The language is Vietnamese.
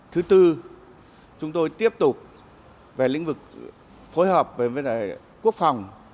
thứ tư chúng tôi tiếp tục về lĩnh vực phối hợp về vấn đề quốc phòng